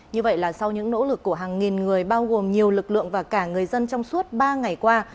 như vậy là sau những nỗ lực của hàng nghìn người bao gồm nhiều lực lượng và cả người dân trong suốt ba ngày qua